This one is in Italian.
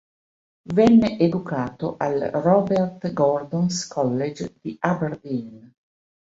Venne educato al Robert Gordon's College di Aberdeen.